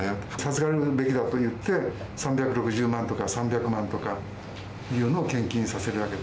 授かるべきだといって、３６０万とか３００万とかいうのを献金させるわけ。